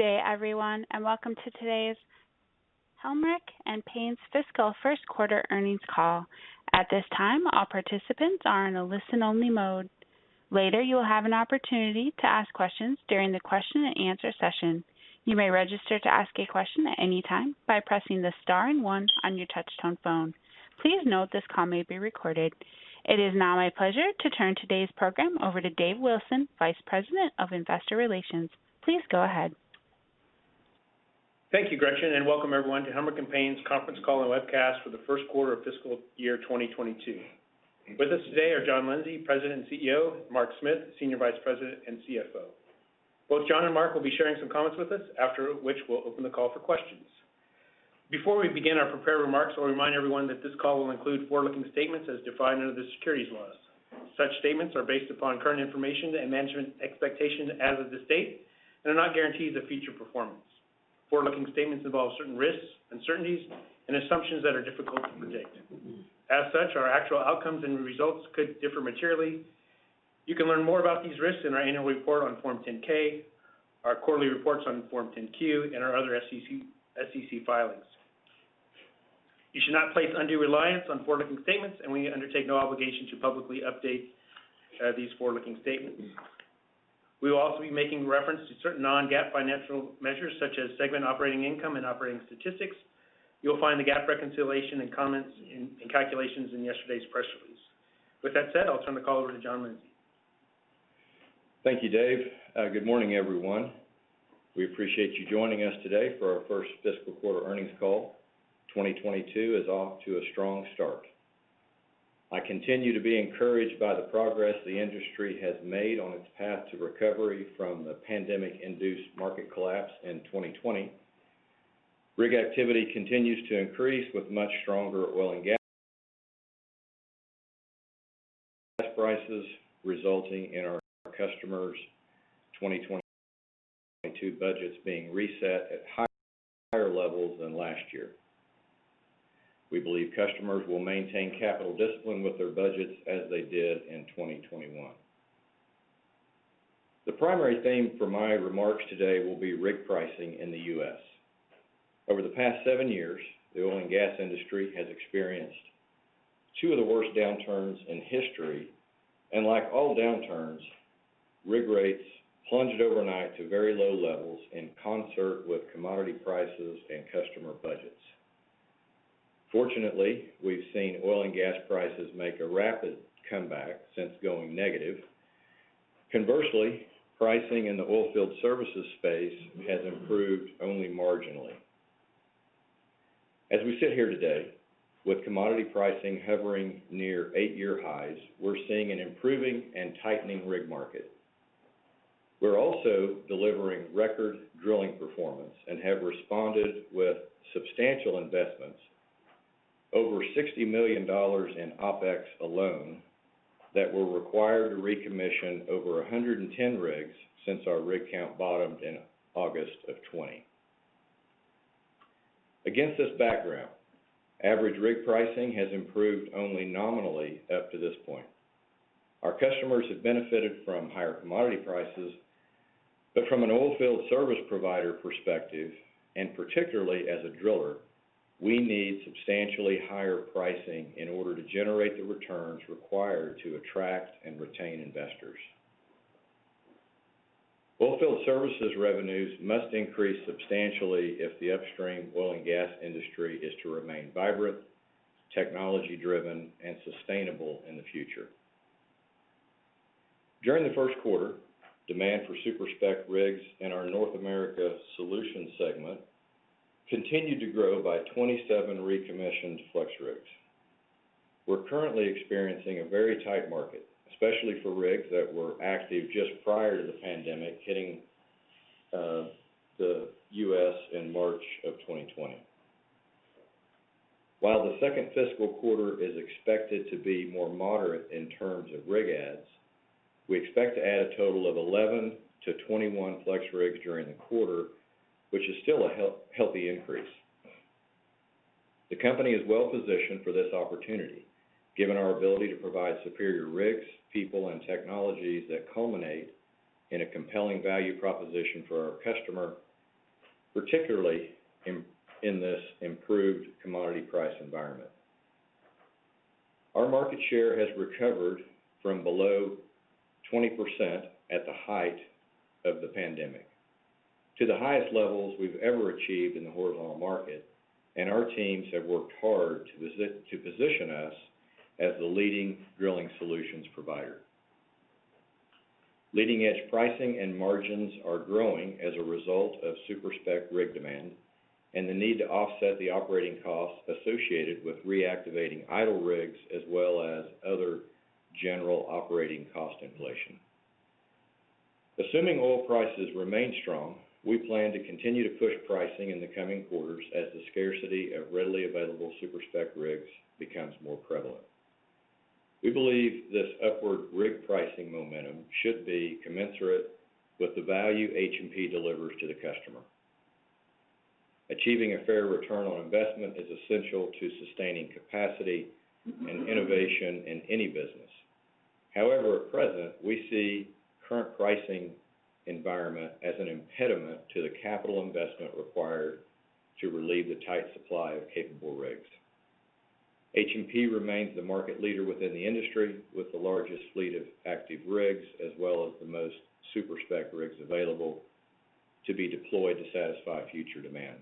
Good day, everyone, and welcome to today's Helmerich & Payne's fiscal Q1 earnings call. At this time, all participants are in a listen-only mode. Later, you will have an opportunity to ask questions during the question and answer session. You may register to ask a question at any time by pressing the star and one on your touchtone phone. Please note this call may be recorded. It is now my pleasure to turn today's program over to Dave Wilson, Vice President of Investor Relations. Please go ahead. Thank you, Gretchen, and welcome everyone to Helmerich & Payne's conference call and webcast for the Q1 of fiscal year 2022. With us today are John Lindsay, President and CEO, Mark Smith, Senior Vice President and CFO. Both John and Mark will be sharing some comments with us after which we'll open the call for questions. Before we begin our prepared remarks, I'll remind everyone that this call will include forward-looking statements as defined under the securities laws. Such statements are based upon current information and management expectations as of this date, and are not guarantees of future performance. Forward-looking statements involve certain risks, uncertainties, and assumptions that are difficult to predict. As such, our actual outcomes and results could differ materially. You can learn more about these risks in our annual report on Form 10-K, our quarterly reports on Form 10-Q, and our other SEC filings. You should not place undue reliance on forward-looking statements, and we undertake no obligation to publicly update these forward-looking statements. We will also be making reference to certain non-GAAP financial measures, such as segment operating income and operating statistics. You'll find the GAAP reconciliation and comments in calculations in yesterday's press release. With that said, I'll turn the call over to John Lindsay. Thank you, Dave. Good morning, everyone. We appreciate you joining us today for our first fiscal quarter earnings call. 2022 is off to a strong start. I continue to be encouraged by the progress the industry has made on its path to recovery from the pandemic-induced market collapse in 2020. Rig activity continues to increase with much stronger oil and gas prices resulting in our customers' 2022 budgets being reset at higher levels than last year. We believe customers will maintain capital discipline with their budgets as they did in 2021. The primary theme for my remarks today will be rig pricing in the U.S. Over the past seven years, the oil and gas industry has experienced two of the worst downturns in history, and like all downturns, rig rates plunged overnight to very low levels in concert with commodity prices and customer budgets. Fortunately, we've seen oil and gas prices make a rapid comeback since going negative. Conversely, pricing in the oilfield services space has improved only marginally. As we sit here today, with commodity pricing hovering near eight-year highs, we're seeing an improving and tightening rig market. We're also delivering record drilling performance and have responded with substantial investments, over $60 million in OpEx alone, that were required to recommission over 110 rigs since our rig count bottomed in August of 2020. Against this background, average rig pricing has improved only nominally up to this point. Our customers have benefited from higher commodity prices, but from an oilfield service provider perspective, and particularly as a driller, we need substantially higher pricing in order to generate the returns required to attract and retain investors. Oilfield services revenues must increase substantially if the upstream oil and gas industry is to remain vibrant, technology-driven, and sustainable in the future. During the Q1, demand for super-spec rigs in our North America Solutions segment continued to grow by 27 recommissioned FlexRigs. We're currently experiencing a very tight market, especially for rigs that were active just prior to the pandemic hitting, the U.S. in March of 2020. While the second fiscal quarter is expected to be more moderate in terms of rig adds, we expect to add a total of 11-21 FlexRigs during the quarter, which is still a healthy increase. The company is well-positioned for this opportunity, given our ability to provide superior rigs, people, and technologies that culminate in a compelling value proposition for our customer, particularly in this improved commodity price environment. Our market share has recovered from below 20% at the height of the pandemic to the highest levels we've ever achieved in the horizontal market, and our teams have worked hard to position us as the leading drilling solutions provider. Leading-edge pricing and margins are growing as a result of super-spec rig demand and the need to offset the operating costs associated with reactivating idle rigs as well as other general operating cost inflation. Assuming oil prices remain strong, we plan to continue to push pricing in the coming quarters as the scarcity of readily available super-spec rigs becomes more prevalent. We believe this upward rig pricing momentum should be commensurate with the value H&P delivers to the customer. Achieving a fair return on investment is essential to sustaining capacity and innovation in any business. However, at present, we see current pricing environment as an impediment to the capital investment required to relieve the tight supply of capable rigs. H&P remains the market leader within the industry, with the largest fleet of active rigs as well as the most super-spec rigs available to be deployed to satisfy future demand.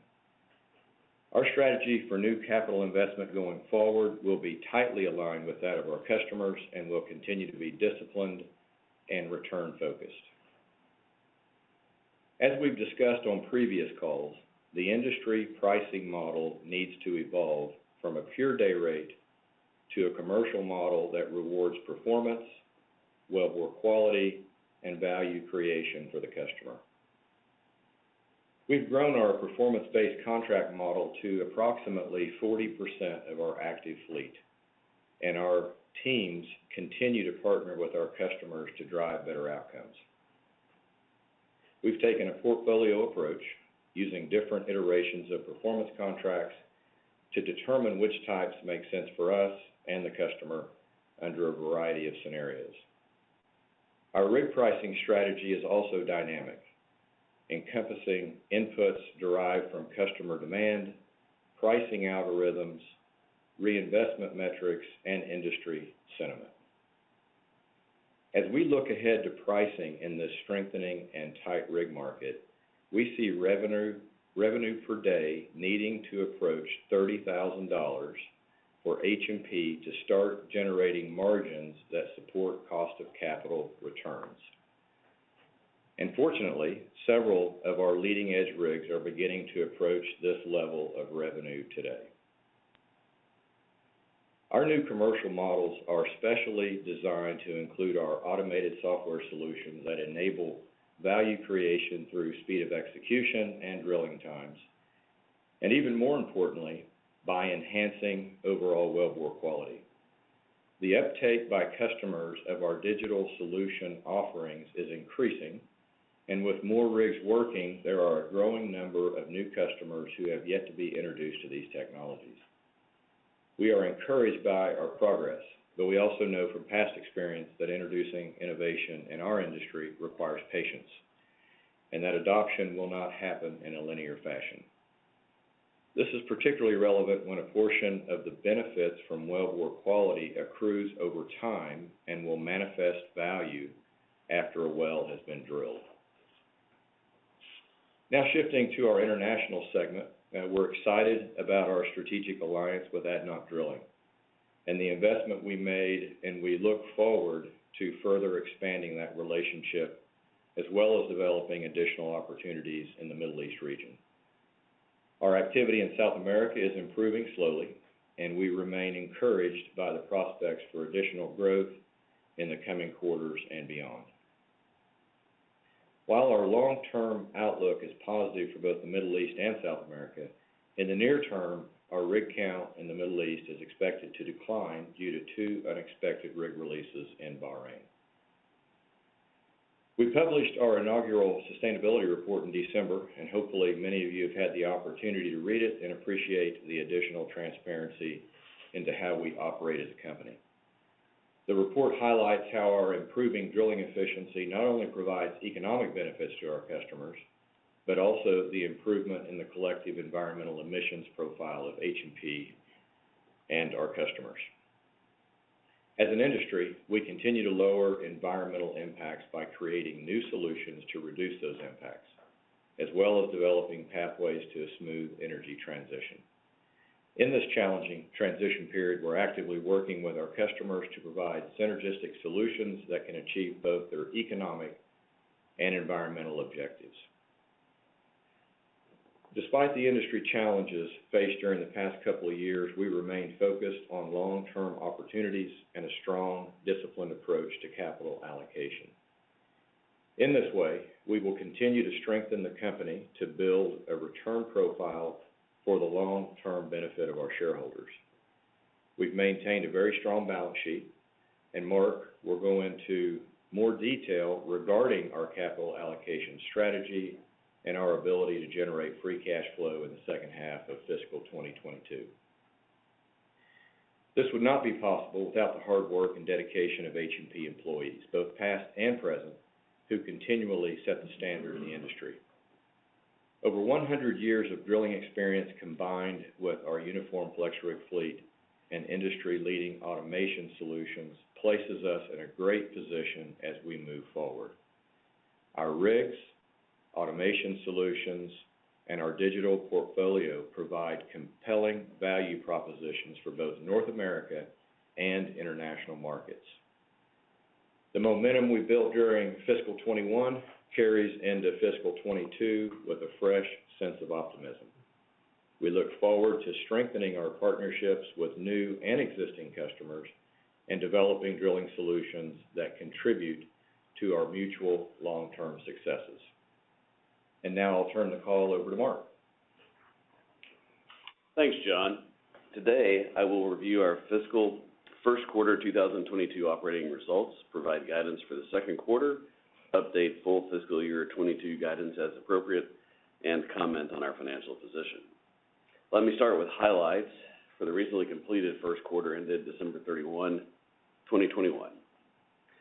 Our strategy for new capital investment going forward will be tightly aligned with that of our customers and will continue to be disciplined and return focused. As we've discussed on previous calls, the industry pricing model needs to evolve from a pure day rate to a commercial model that rewards performance, well bore quality, and value creation for the customer. We've grown our performance-based contract model to approximately 40% of our active fleet, and our teams continue to partner with our customers to drive better outcomes. We've taken a portfolio approach using different iterations of performance contracts to determine which types make sense for us and the customer under a variety of scenarios. Our rig pricing strategy is also dynamic, encompassing inputs derived from customer demand, pricing algorithms, reinvestment metrics, and industry sentiment. As we look ahead to pricing in this strengthening and tight rig market, we see revenue per day needing to approach $30,000 for H&P to start generating margins that support cost of capital returns. Fortunately, several of our leading-edge rigs are beginning to approach this level of revenue today. Our new commercial models are specially designed to include our automated software solutions that enable value creation through speed of execution and drilling times, and even more importantly, by enhancing overall well bore quality. The uptake by customers of our digital solution offerings is increasing, and with more rigs working, there are a growing number of new customers who have yet to be introduced to these technologies. We are encouraged by our progress, but we also know from past experience that introducing innovation in our industry requires patience, and that adoption will not happen in a linear fashion. This is particularly relevant when a portion of the benefits from well bore quality accrues over time and will manifest value after a well has been drilled. Now shifting to our International segment, we're excited about our strategic alliance with ADNOC Drilling and the investment we made, and we look forward to further expanding that relationship as well as developing additional opportunities in the Middle East region. Our activity in South America is improving slowly, and we remain encouraged by the prospects for additional growth in the coming quarters and beyond. While our long-term outlook is positive for both the Middle East and South America, in the near term, our rig count in the Middle East is expected to decline due to two unexpected rig releases in Bahrain. We published our inaugural sustainability report in December, and hopefully many of you have had the opportunity to read it and appreciate the additional transparency into how we operate as a company. The report highlights how our improving drilling efficiency not only provides economic benefits to our customers, but also the improvement in the collective environmental emissions profile of H&P and our customers. As an industry, we continue to lower environmental impacts by creating new solutions to reduce those impacts, as well as developing pathways to a smooth energy transition. In this challenging transition period, we're actively working with our customers to provide synergistic solutions that can achieve both their economic and environmental objectives. Despite the industry challenges faced during the past couple of years, we remain focused on long-term opportunities and a strong, disciplined approach to capital allocation. In this way, we will continue to strengthen the company to build a return profile for the long-term benefit of our shareholders. We've maintained a very strong balance sheet, and Mark will go into more detail regarding our capital allocation strategy and our ability to generate free cash flow in the second half of fiscal 2022. This would not be possible without the hard work and dedication of H&P employees, both past and present, who continually set the standard in the industry. Over 100 years of drilling experience combined with our uniform FlexRig fleet and industry-leading automation solutions places us in a great position as we move forward. Our rigs, automation solutions, and our digital portfolio provide compelling value propositions for both North America and international markets. The momentum we built during fiscal 2021 carries into fiscal 2022 with a fresh sense of optimism. We look forward to strengthening our partnerships with new and existing customers and developing drilling solutions that contribute to our mutual long-term successes. Now I'll turn the call over to Mark. Thanks, John. Today, I will review our fiscal Q1 2022 operating results, provide guidance for the Q2, update full fiscal year 2022 guidance as appropriate, and comment on our financial position. Let me start with highlights for the recently completed Q1 ended December 31, 2021.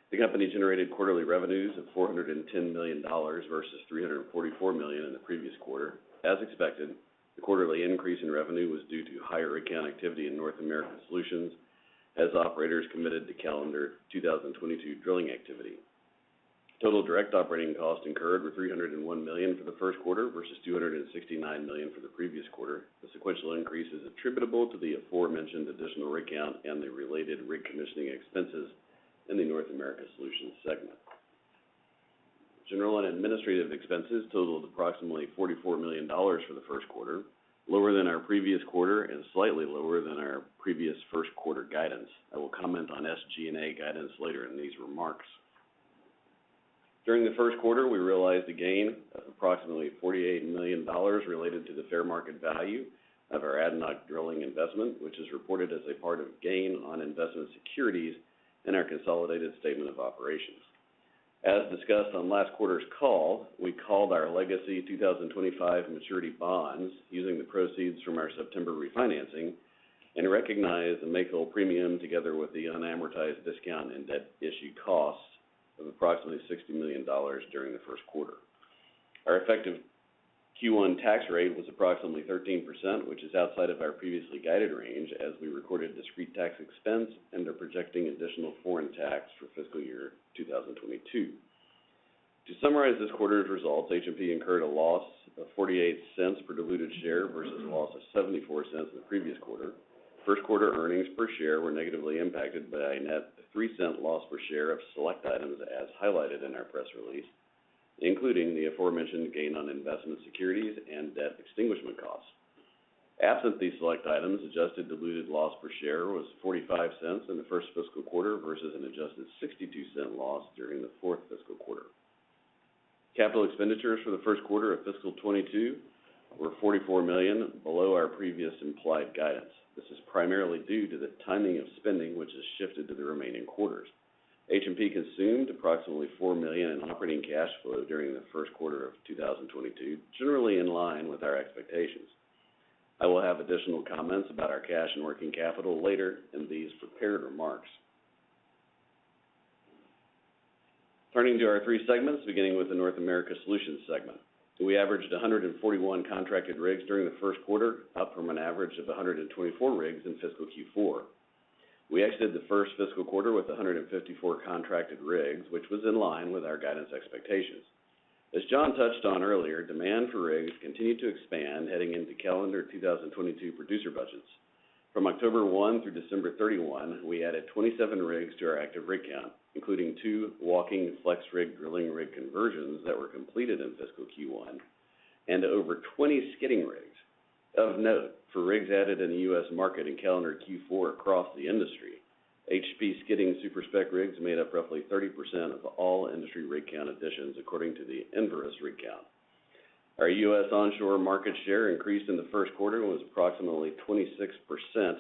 The company generated quarterly revenues of $410 million versus $344 million in the previous quarter. As expected, the quarterly increase in revenue was due to higher rig count activity in North America Solutions as operators committed to calendar 2022 drilling activity. Total direct operating costs incurred were $301 million for the Q1 versus $269 million for the previous quarter. The sequential increase is attributable to the aforementioned additional rig count and the related recommissioning expenses in the North America Solutions segment. General and administrative expenses totaled approximately $44 million for the Q1, lower than our previous quarter and slightly lower than our previous Q1 guidance. I will comment on SG&A guidance later in these remarks. During the Q1, we realized a gain of approximately $48 million related to the fair market value of our ADNOC Drilling investment, which is reported as a part of gain on investment securities in our consolidated statement of operations. As discussed on last quarter's call, we called our legacy 2025 maturity bonds using the proceeds from our September refinancing and recognized the make-whole premium together with the unamortized discount and debt issued costs of approximately $60 million during the Q1. Our effective Q1 tax rate was approximately 13%, which is outside of our previously guided range as we recorded discrete tax expense and are projecting additional foreign tax for fiscal year 2022. To summarize this quarter's results, H&P incurred a loss of $0.48 per diluted share versus a loss of $0.74 in the previous quarter. Q1 earnings per share were negatively impacted by a net $0.03 loss per share of select items as highlighted in our press release, including the aforementioned gain on investment securities and debt extinguishment costs. Absent these select items, adjusted diluted loss per share was $0.45 in the first fiscal quarter versus an adjusted $0.62 loss during the fourth fiscal quarter. Capital expenditures for the Q1 of fiscal 2022 were $44 million below our previous implied guidance. This is primarily due to the timing of spending, which has shifted to the remaining quarters. H&P consumed approximately $4 million in operating cash flow during the Q1 of 2022, generally in line with our expectations. I will have additional comments about our cash and working capital later in these prepared remarks. Turning to our three segments, beginning with the North America Solutions segment. We averaged 141 contracted rigs during the Q1, up from an average of 124 rigs in fiscal Q4. We exited the first fiscal quarter with 154 contracted rigs, which was in line with our guidance expectations. As John touched on earlier, demand for rigs continued to expand heading into calendar 2022 producer budgets. From October 1 through December 31, we added 27 rigs to our active rig count, including two walking FlexRig drilling rig conversions that were completed in fiscal Q1 and over 20 skidding rigs. Of note, for rigs added in the U.S. market in calendar Q4 across the industry, H&P skidding super-spec rigs made up roughly 30% of all industry rig count additions, according to the Enverus rig count. Our U.S. onshore market share increased in the Q1 and was approximately 26%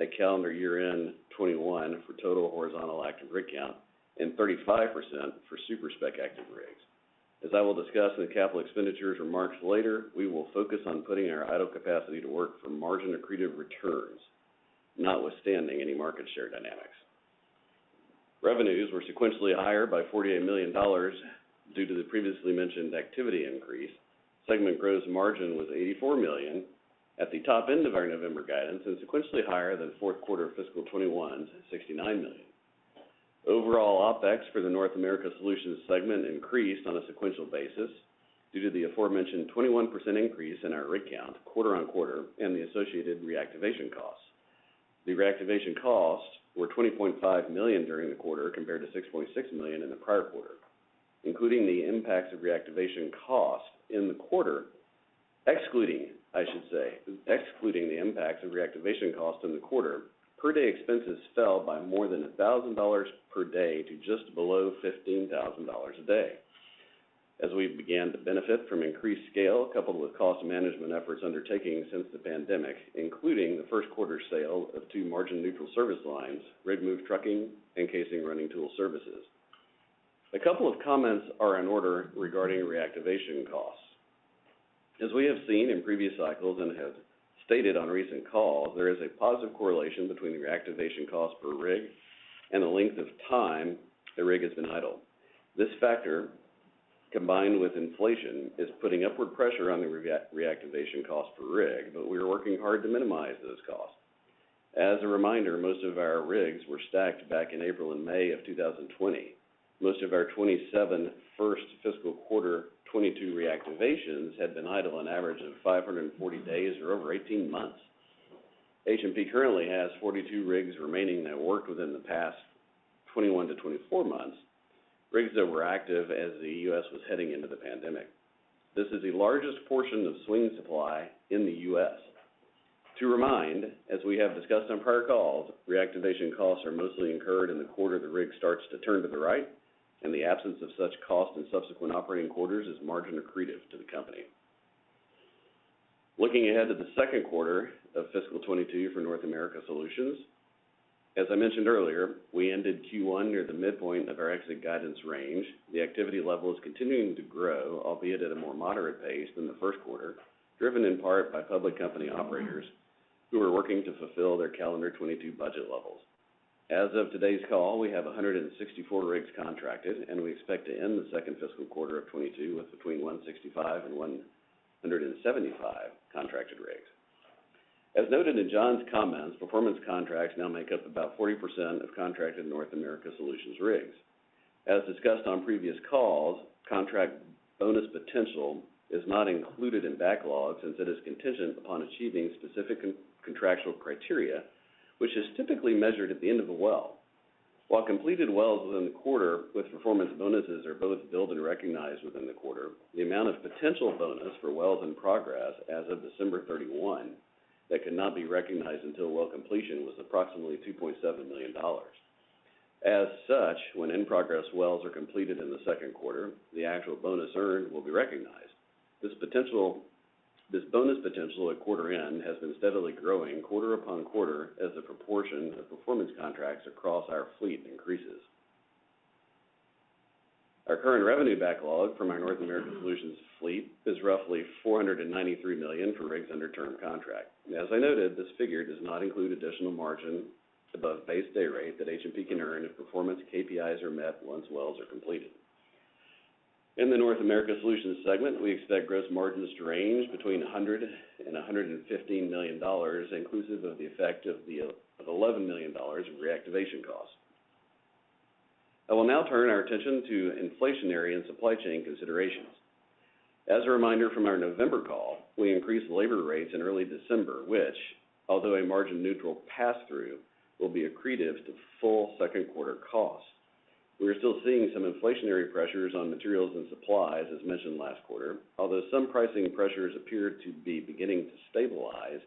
at calendar year-end 2021 for total horizontal active rig count and 35% for super-spec active rigs. As I will discuss in the capital expenditures remarks later, we will focus on putting our idle capacity to work for margin-accretive returns, notwithstanding any market share dynamics. Revenues were sequentially higher by $48 million due to the previously mentioned activity increase. Segment gross margin was $84 million at the top end of our November guidance and sequentially higher than Q4 fiscal 2021's $69 million. Overall, OpEx for the North America Solutions segment increased on a sequential basis due to the aforementioned 21% increase in our rig count quarter-over-quarter and the associated reactivation costs. The reactivation costs were $20.5 million during the quarter compared to $6.6 million in the prior quarter. Excluding the impacts of reactivation cost in the quarter, per-day expenses fell by more than $1,000 per day to just below $15,000 a day as we began to benefit from increased scale coupled with cost management efforts undertaken since the pandemic, including the Q1 sale of two margin neutral service lines, rig move trucking, and casing running tool services. A couple of comments are in order regarding reactivation costs. As we have seen in previous cycles and have stated on recent calls, there is a positive correlation between reactivation cost per rig and the length of time the rig has been idle. This factor, combined with inflation, is putting upward pressure on the reactivation cost per rig, but we are working hard to minimize those costs. As a reminder, most of our rigs were stacked back in April and May of 2020. Most of our 27 first fiscal quarter 2022 reactivations had been idle an average of 540 days or over 18 months. H&P currently has 42 rigs remaining that worked within the past 21-24 months, rigs that were active as the U.S. was heading into the pandemic. This is the largest portion of swing supply in the U.S. To remind, as we have discussed on prior calls, reactivation costs are mostly incurred in the quarter the rig starts to turn to the right. The absence of such cost in subsequent operating quarters is margin accretive to the company. Looking ahead to the Q2 of fiscal 2022 for North America Solutions, as I mentioned earlier, we ended Q1 near the midpoint of our exit guidance range. The activity level is continuing to grow, albeit at a more moderate pace than the Q1, driven in part by public company operators who are working to fulfill their calendar 2022 budget levels. As of today's call, we have 164 rigs contracted, and we expect to end the second fiscal quarter of 2022 with between 165 and 175 contracted rigs. As noted in John's comments, performance contracts now make up about 40% of contracted North America Solutions rigs. As discussed on previous calls, contract bonus potential is not included in backlogs since it is contingent upon achieving specific contractual criteria, which is typically measured at the end of a well. While completed wells within the quarter with performance bonuses are both billed and recognized within the quarter, the amount of potential bonus for wells in progress as of December 31 that could not be recognized until well completion was approximately $2.7 million. As such, when in-progress wells are completed in the Q2, the actual bonus earned will be recognized. This bonus potential at quarter end has been steadily growing quarter upon quarter as the proportion of performance contracts across our fleet increases. Our current revenue backlog from our North America Solutions fleet is roughly $493 million for rigs under term contract. As I noted, this figure does not include additional margin above base day rate that H&P can earn if performance KPIs are met once wells are completed. In the North America Solutions segment, we expect gross margins to range between $100 million and $115 million, inclusive of the effect of $11 million of reactivation costs. I will now turn our attention to inflationary and supply chain considerations. As a reminder from our November call, we increased labor rates in early December, which, although a margin neutral pass-through, will be accretive to full Q2 costs. We are still seeing some inflationary pressures on materials and supplies, as mentioned last quarter. Although some pricing pressures appear to be beginning to stabilize,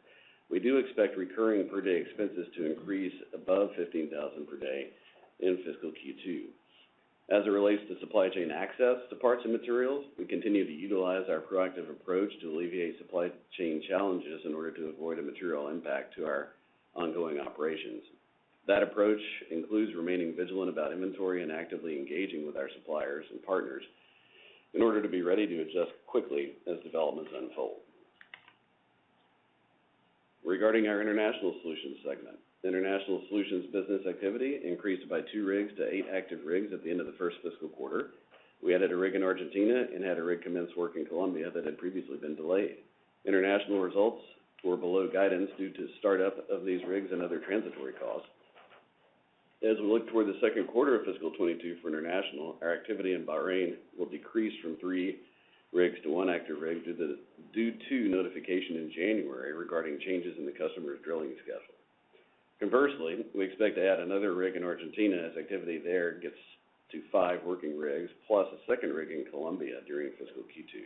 we do expect recurring per-day expenses to increase above 15,000 per day in fiscal Q2. As it relates to supply chain access to parts and materials, we continue to utilize our proactive approach to alleviate supply chain challenges in order to avoid a material impact to our ongoing operations. That approach includes remaining vigilant about inventory and actively engaging with our suppliers and partners in order to be ready to adjust quickly as developments unfold. Regarding our International Solutions segment, International Solutions business activity increased by two rigs to eight active rigs at the end of the first fiscal quarter. We added a rig in Argentina and had a rig commence work in Colombia that had previously been delayed. International results were below guidance due to startup of these rigs and other transitory costs. As we look toward the Q2 of fiscal 2022 for international, our activity in Bahrain will decrease from three rigs to one active rig due to notification in January regarding changes in the customer's drilling schedule. Conversely, we expect to add another rig in Argentina as activity there gets to five working rigs, plus a second rig in Colombia during fiscal Q2.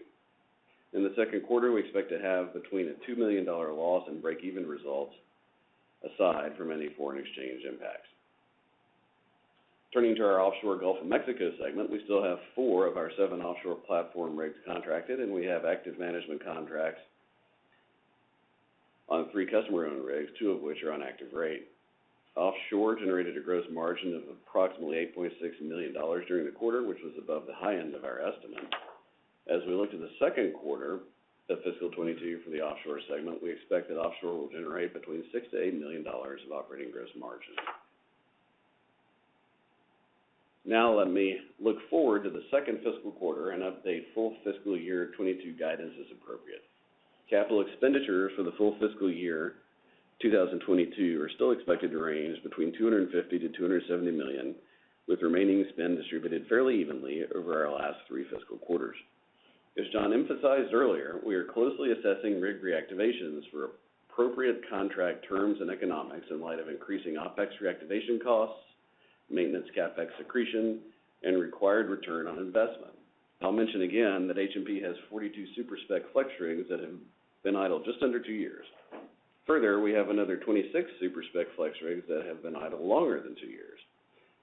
In the Q2, we expect to have between a $2 million loss and break-even results aside from any foreign exchange impacts. Turning to our offshore Gulf of Mexico segment, we still have four of our seven offshore platform rigs contracted, and we have active management contracts on three customer-owned rigs, two of which are on active rate. Offshore generated a gross margin of approximately $8.6 million during the quarter, which was above the high end of our estimate. As we look to the Q2 of fiscal 2022 for the offshore segment, we expect that offshore will generate between $6 million-$8 million of operating gross margins. Now let me look forward to the second fiscal quarter and update full fiscal year 2022 guidance as appropriate. Capital expenditures for the full fiscal year 2022 are still expected to range between $250 million-$270 million, with remaining spend distributed fairly evenly over our last three fiscal quarters. As John emphasized earlier, we are closely assessing rig reactivations for appropriate contract terms and economics in light of increasing OpEx reactivation costs, maintenance CapEx accretion, and required return on investment. I'll mention again that H&P has 42 super-spec FlexRigs that have been idle just under two years. Further, we have another 26 super-spec FlexRigs that have been idle longer than two years.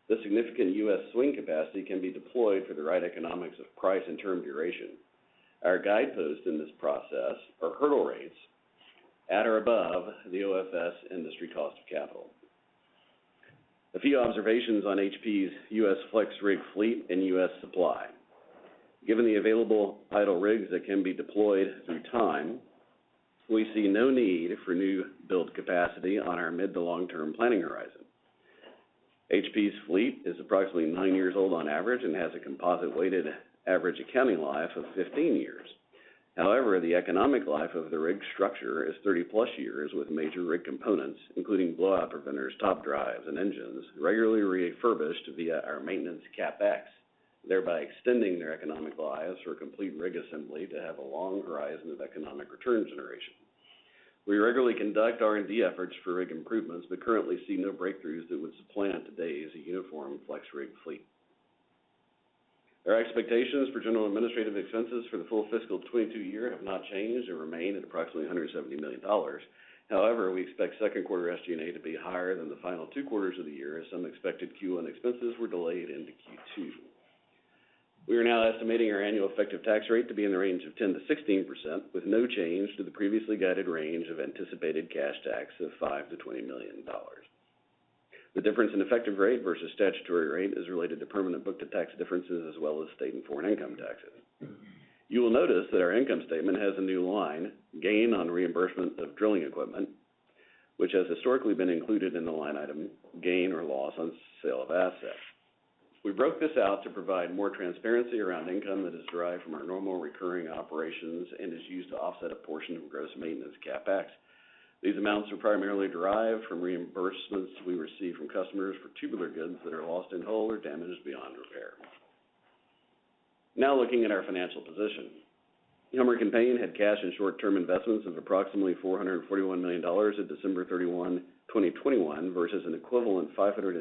This significant U.S. swing capacity can be deployed for the right economics of price and term duration. Our guideposts in this process are hurdle rates at or above the OFS industry cost of capital. A few observations on HP's U.S. FlexRig fleet and U.S. supply. Given the available idle rigs that can be deployed through time, we see no need for new build capacity on our mid- to long-term planning horizon. HP's fleet is approximately nine years old on average and has a composite weighted average accounting life of 15 years. However, the economic life of the rig structure is 30+ years with major rig components, including blowout preventers, top drives, and engines, regularly refurbished via our maintenance CapEx, thereby extending their economic lives for complete rig assembly to have a long horizon of economic return generation. We regularly conduct R&D efforts for rig improvements, but currently see no breakthroughs that would supplant today's uniform FlexRig fleet. Our expectations for general administrative expenses for the full fiscal 2022 year have not changed and remain at approximately $170 million. However, we expect Q2 SG&A to be higher than the final two quarters of the year as some expected Q1 expenses were delayed into Q2. We are now estimating our annual effective tax rate to be in the range of 10%-16% with no change to the previously guided range of anticipated cash tax of $5 million-$20 million. The difference in effective rate versus statutory rate is related to permanent book-to-tax differences as well as state and foreign income taxes. You will notice that our income statement has a new line, gain on reimbursement of drilling equipment, which has historically been included in the line item, gain or loss on sale of assets. We broke this out to provide more transparency around income that is derived from our normal recurring operations and is used to offset a portion of gross maintenance CapEx. These amounts are primarily derived from reimbursements we receive from customers for tubular goods that are lost in whole or damaged beyond repair. Now looking at our financial position. Helmerich & Payne had cash and short-term investments of approximately $441 million at December 31, 2021 versus an equivalent $570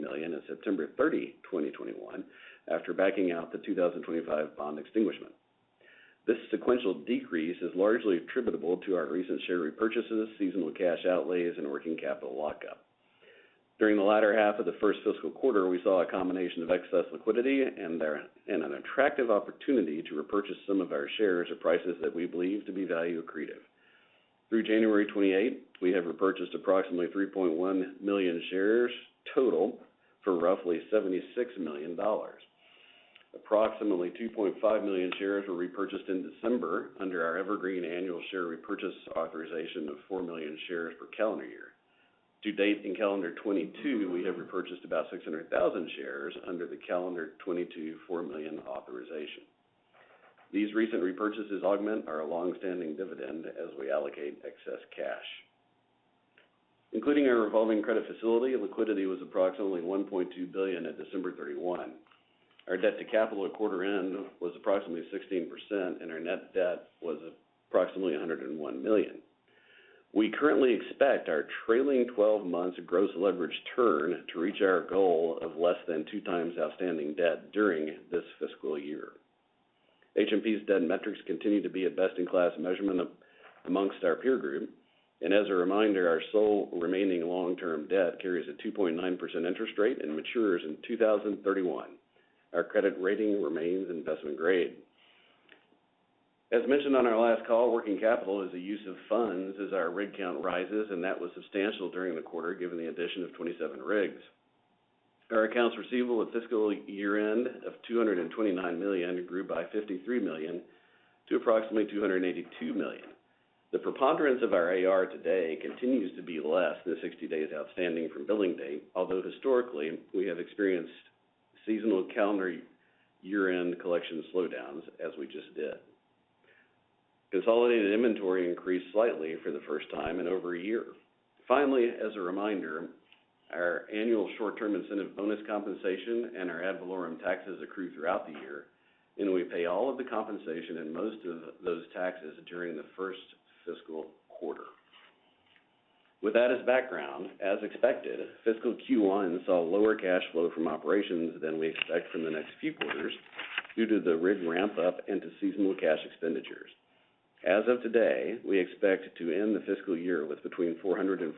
million at September 30, 2021 after backing out the 2025 bond extinguishment. This sequential decrease is largely attributable to our recent share repurchases, seasonal cash outlays, and working capital lockup. During the latter half of the first fiscal quarter, we saw a combination of excess liquidity and an attractive opportunity to repurchase some of our shares at prices that we believe to be value accretive. Through January 28, we have repurchased approximately 3.1 million shares total for roughly $76 million. Approximately 2.5 million shares were repurchased in December under our evergreen annual share repurchase authorization of 4 million shares per calendar year. To date, in calendar 2022, we have repurchased about 600,000 shares under the calendar 2022 4 million authorization. These recent repurchases augment our long-standing dividend as we allocate excess cash. Including our revolving credit facility, liquidity was approximately $1.2 billion at December 31. Our debt to capital at quarter end was approximately 16%, and our net debt was approximately $101 million. We currently expect our trailing twelve months gross leverage turn to reach our goal of less than 2x outstanding debt during this fiscal year. H&P's debt metrics continue to be a best-in-class measurement amongst our peer group. As a reminder, our sole remaining long-term debt carries a 2.9% interest rate and matures in 2031. Our credit rating remains investment grade. As mentioned on our last call, working capital is a use of funds as our rig count rises, and that was substantial during the quarter given the addition of 27 rigs. Our accounts receivable at fiscal year-end of $229 million grew by $53 million to approximately $282 million. The preponderance of our AR today continues to be less than 60 days outstanding from billing date, although historically, we have experienced seasonal calendar year-end collection slowdowns as we just did. Consolidated inventory increased slightly for the first time in over a year. Finally, as a reminder, our annual short-term incentive bonus compensation and our ad valorem taxes accrue throughout the year, and we pay all of the compensation and most of those taxes during the first fiscal quarter. With that as background, as expected, fiscal Q1 saw lower cash flow from operations than we expect from the next few quarters due to the rig ramp up and to seasonal cash expenditures. As of today, we expect to end the fiscal year with between $400 million and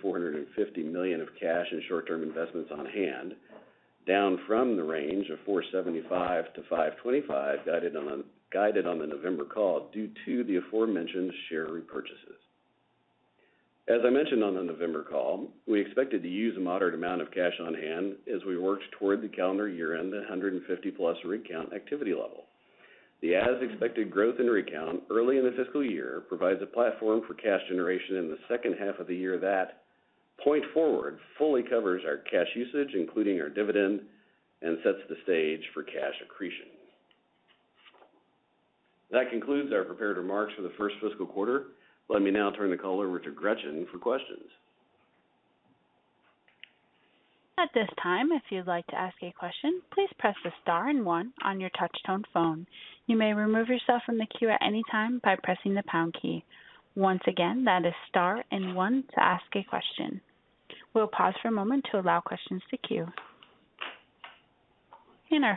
$450 million of cash and short-term investments on hand, down from the range of $475 million-$525 million guided on the November call due to the aforementioned share repurchases. As I mentioned on the November call, we expected to use a moderate amount of cash on hand as we worked toward the calendar year-end, the 150+ rig count activity level. The as-expected growth in rig count early in the fiscal year provides a platform for cash generation in the second half of the year from that point forward fully covers our cash usage, including our dividend, and sets the stage for cash accretion. That concludes our prepared remarks for the first fiscal quarter. Let me now turn the call over to Gretchen for questions. Our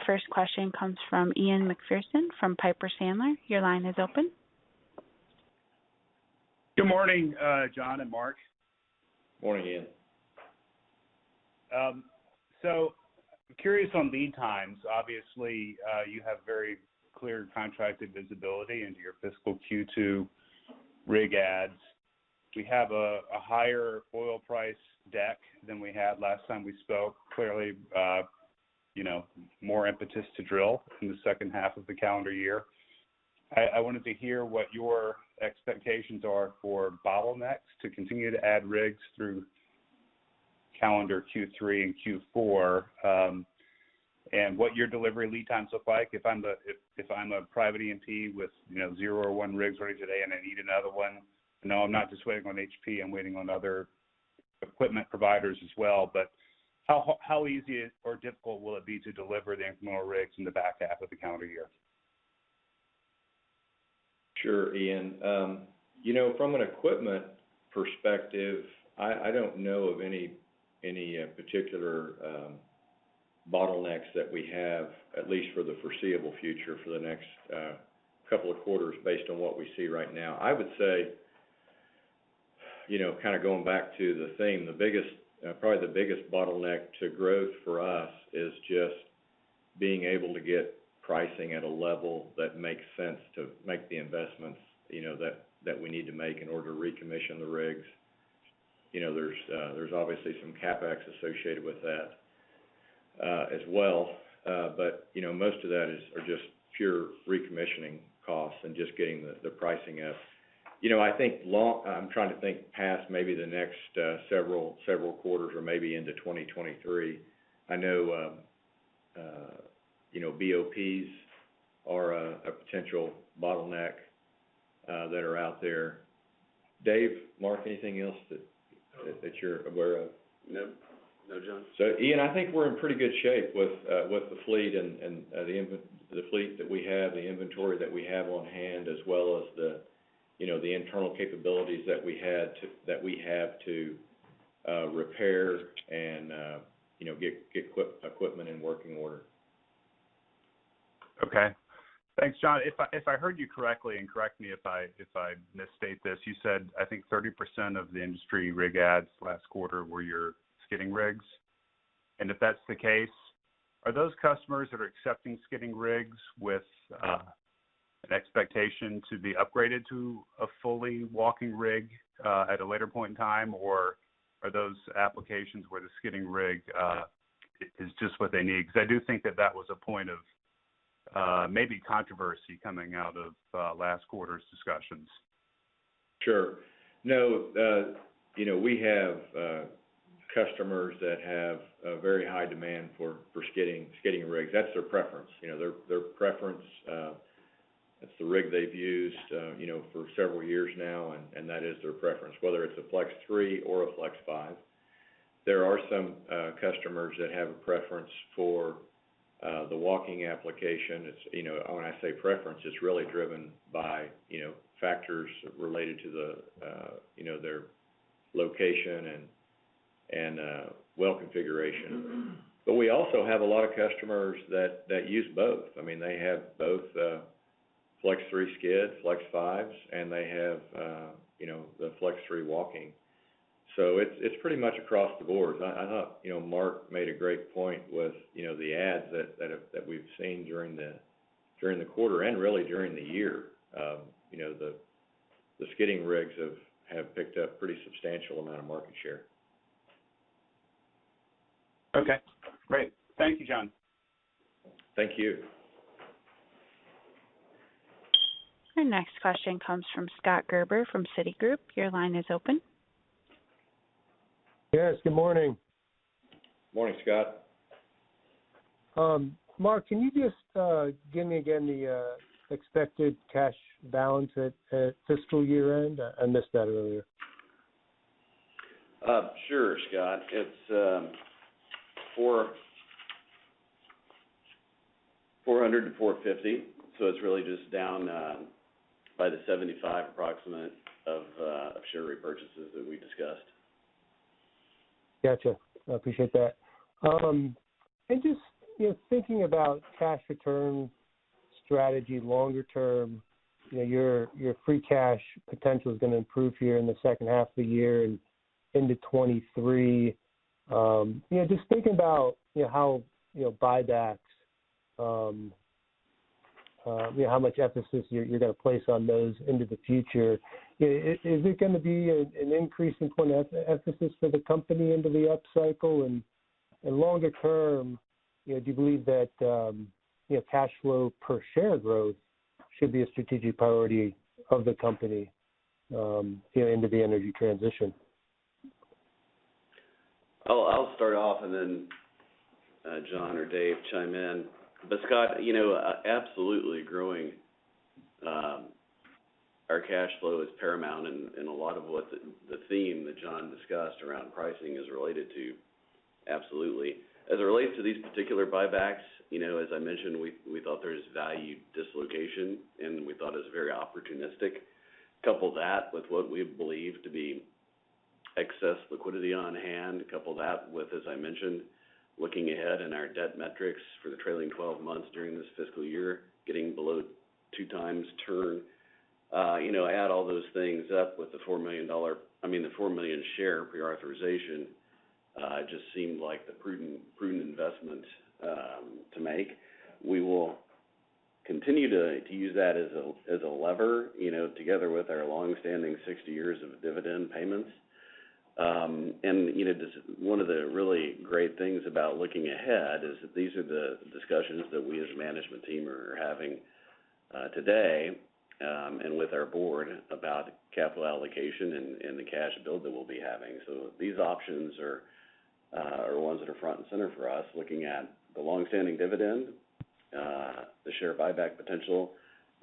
first question comes from Ian Macpherson from Piper Sandler. Your line is open. Good morning, John and Mark. Morning, Ian. Curious on lead times. Obviously, you have very clear contracted visibility into your fiscal Q2 rig adds. We have a higher oil price deck than we had last time we spoke. Clearly, you know, more impetus to drill in the second half of the calendar year. I wanted to hear what your expectations are for bottlenecks to continue to add rigs through calendar Q3 and Q4, and what your delivery lead times look like. If I'm a private E&P with, you know, zero or one rigs running today and I need another one, I'm not just waiting on H&P, I'm waiting on other equipment providers as well. But how easy or difficult will it be to deliver the incremental rigs in the back half of the calendar year? Sure, Ian. You know, from an equipment perspective, I don't know of any particular bottlenecks that we have, at least for the foreseeable future for the next couple of quarters based on what we see right now. I would say, you know, kind of going back to the theme, probably the biggest bottleneck to growth for us is just being able to get pricing at a level that makes sense to make the investments, you know, that we need to make in order to recommission the rigs. You know, there's obviously some CapEx associated with that, as well. But, you know, most of that are just pure recommissioning costs and just getting the pricing up. You know, I think long... I'm trying to think past maybe the next several quarters or maybe into 2023. I know, you know, BOPs are a potential bottleneck that are out there. Dave, Mark, anything else that you're aware of? No. No, John. Ian, I think we're in pretty good shape with the fleet that we have, the inventory that we have on hand, as well as you know, the internal capabilities that we have to repair and you know, get equipment in working order. Okay. Thanks, John. If I heard you correctly, and correct me if I misstate this, you said, I think 30% of the industry rig adds last quarter were your skidding rigs. If that's the case, are those customers that are accepting skidding rigs with an expectation to be upgraded to a fully walking rig at a later point in time? Or are those applications where the skidding rig is just what they need? Because I do think that was a point of maybe controversy coming out of last quarter's discussions. Sure. No, you know, we have customers that have a very high demand for skidding rigs. That's their preference. You know, their preference, it's the rig they've used, you know, for several years now, and that is their preference, whether it's a FlexRig three or a FlexRig five. There are some customers that have a preference for the walking application. It's, you know. When I say preference, it's really driven by, you know, factors related to the, you know, their location and well configuration. But we also have a lot of customers that use both. I mean, they have both FlexRig 3 skid, FlexRig 5s, and they have, you know, the Flex3 walking rig. So it's pretty much across the board. I thought, you know, Mark made a great point with, you know, the adds that we've seen during the quarter and really during the year. You know, the skidding rigs have picked up pretty substantial amount of market share. Okay. Great. Thank you, John. Thank you. Our next question comes from Scott Gruber from Citigroup. Your line is open. Yes, good morning. Morning, Scott. Mark, can you just give me again the expected cash balance at fiscal year-end? I missed that earlier. Sure, Scott. It's $400-$450, so it's really just down by the $75 million of share repurchases that we discussed. Gotcha. I appreciate that. Just, you know, thinking about cash return strategy longer term, you know, your free cash potential is gonna improve here in the second half of the year and into 2023. You know, just thinking about, you know, how, you know, buybacks, you know, how much emphasis you're gonna place on those into the future. You know, is it gonna be an increase in point of emphasis for the company into the upcycle? Longer term, you know, do you believe that, you know, cash flow per share growth should be a strategic priority of the company, you know, into the energy transition? I'll start off, and then John or Dave chime in. Scott, you know, absolutely growing our cash flow is paramount, and a lot of what the theme that John discussed around pricing is related to. Absolutely. As it relates to these particular buybacks, you know, as I mentioned, we thought there's value dislocation, and we thought it was very opportunistic. Couple that with what we believe to be excess liquidity on hand. Couple that with, as I mentioned, looking ahead in our debt metrics for the trailing twelve months during this fiscal year, getting below two times turn. You know, add all those things up with the 4 million share pre-authorization just seemed like the prudent investment to make. We will continue to use that as a lever, you know, together with our longstanding 60 years of dividend payments. You know, just one of the really great things about looking ahead is that these are the discussions that we as a management team are having today and with our board about capital allocation and the cash build that we'll be having. These options are ones that are front and center for us, looking at the longstanding dividend, the share buyback potential,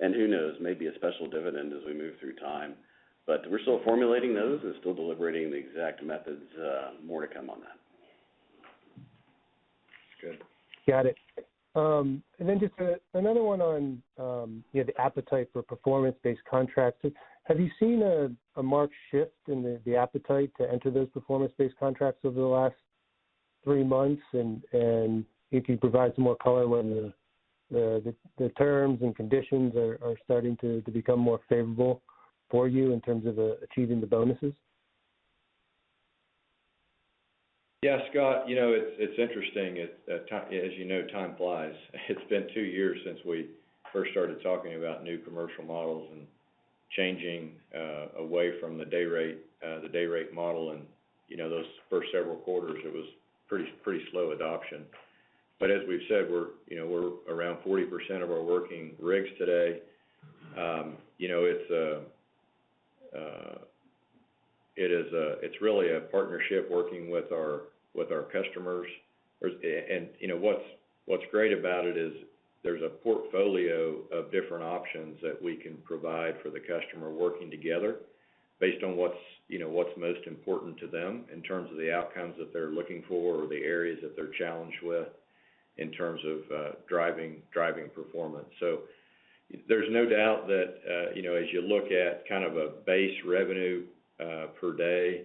and who knows, maybe a special dividend as we move through time. We're still formulating those and still deliberating the exact methods. More to come on that. Got it. Just another one on, you know, the appetite for performance-based contracts. Have you seen a marked shift in the appetite to enter those performance-based contracts over the last three months? If you provide some more color whether the terms and conditions are starting to become more favorable for you in terms of achieving the bonuses. Yeah, Scott, you know, it's interesting. As you know, time flies. It's been two years since we first started talking about new commercial models and changing away from the day rate, the day rate model. You know, those first several quarters, it was pretty slow adoption. As we've said, we're, you know, around 40% of our working rigs today. You know, it's really a partnership working with our customers. You know, what's great about it is there's a portfolio of different options that we can provide for the customer working together based on what's, you know, most important to them in terms of the outcomes that they're looking for or the areas that they're challenged with in terms of driving performance. There's no doubt that, you know, as you look at kind of a base revenue per day,